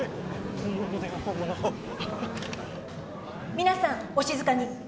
皆さんお静かに。